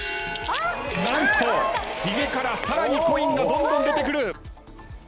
何とヒゲからさらにコインがどんどん出てくる。